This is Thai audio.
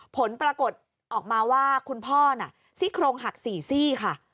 ผลปรากฏออกมาว่าคุณพ่อน่ะซี่โครงหัก๔ซี่ค่ะ